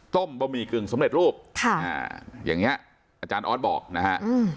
บะหมี่กึ่งสำเร็จรูปค่ะอ่าอย่างเงี้ยอาจารย์ออสบอกนะฮะอืม